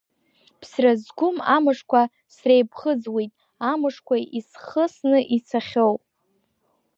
Ԥсра зқәым амышқәа среиԥхыӡуеит, амышқәа исхысны ицахьоу.